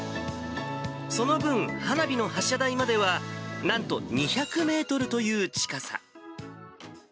その分、花火の発射台まではなんと２００メートルという近さ。